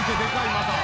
また。